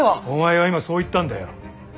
お前は今そう言ったんだよ。